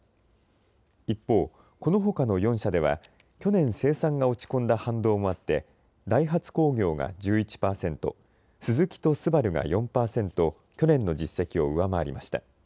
一方、このほかの４社では去年生産が落ち込んだ反動もあってダイハツ工業が１１％、スズキとＳＵＢＡＲＵが４％去年の実績を上回りました。